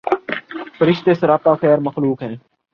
فرشتے سراپاخیر مخلوق ہیں